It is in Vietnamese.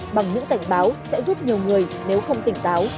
bằng những cảnh báo sẽ giúp nhiều người nếu không tỉnh táo